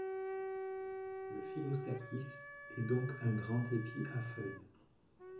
Le Phyllostachys est donc un grand épi à feuilles.